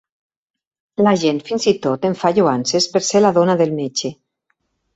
La gent fins i tot em fa lloances per ser la dona del metge.